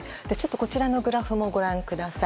こちらのグラフもご覧ください。